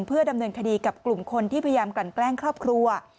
เพื่อดำเนินคดีกับกลุ่มคนที่พยายามกลั่นแกล้งครอบครัว